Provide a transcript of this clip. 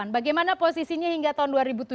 bagaimana posisinya hingga tahun dua ribu tujuh belas